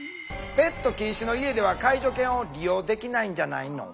ペット禁止の家では介助犬を利用できないんじゃないの？